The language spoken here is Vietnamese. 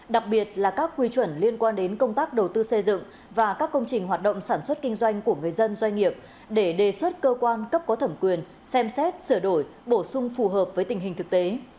đặc biệt là các quy chuẩn liên quan đến công tác đầu tư xây dựng và các công trình hoạt động sản xuất kinh doanh của người dân doanh nghiệp để đề xuất cơ quan cấp có thẩm quyền xem xét sửa đổi bổ sung phù hợp với tình hình thực tế